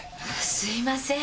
すいません。